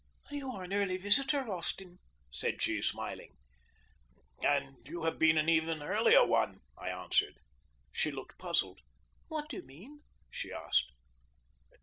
"You are an early visitor, Austin," said she, smiling. "And you have been an even earlier one," I answered. She looked puzzled. "What do you mean?" she asked.